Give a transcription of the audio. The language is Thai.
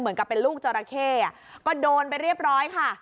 เหมือนกับเป็นลูกจราเข้ก็โดนไปเรียบร้อยค่ะ